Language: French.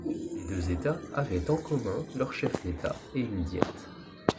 Les deux États avaient en commun leur chef d’État et une diète.